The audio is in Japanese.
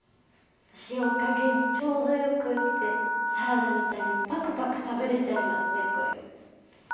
塩加減ちょうどよくてサラダみたいにパクパク食べれちゃいますねこれ。